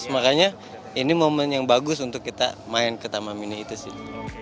makanya ini momen yang bagus untuk kita main ke taman mini itu sih